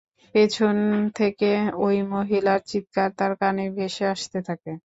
পেছন থেকে ঐ মহিলার চিৎকার তার কানে ভেসে আসতে থাকে।